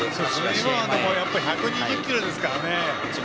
今のボールが１２０キロですからね。